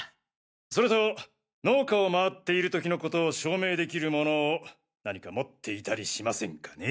それと農家を回っている時のことを証明できるものを何か持っていたりしませんかね？